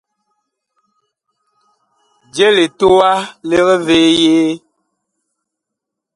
Je litowa lig vee yee ?